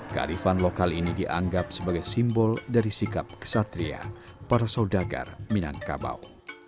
kearifan lokal ini dianggap sebagai simbol dari sikap kesatria para saudagar minangkabau